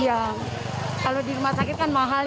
iya kalau di rumah sakit kan mahal